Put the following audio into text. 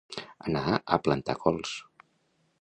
Anar a plantar cols.